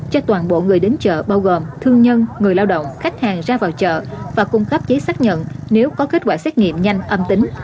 cho toàn bộ người đến chợ bao gồm thương nhân người lao động khách hàng ra vào chợ và cung cấp giấy xác nhận nếu có kết quả xét nghiệm nhanh âm tính